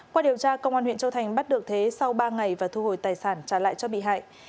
qua điều tra công an huyện châu thành bắt được thế sau ba ngày và thu hồi tài sản trả lại cho bị hại